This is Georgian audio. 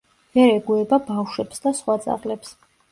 ვერ ეგუება ბავშვებს და სხვა ძაღლებს.